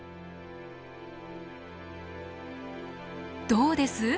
どうです？